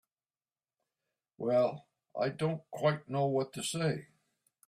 Well—I don't quite know what to say.